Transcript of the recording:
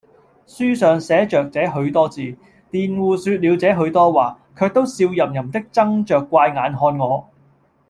書上寫着這許多字，佃戶說了這許多話，卻都笑吟吟的睜着怪眼看我。